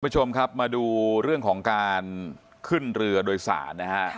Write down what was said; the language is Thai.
คุณผู้ชมครับมาดูเรื่องของการขึ้นเรือโดยสารนะฮะ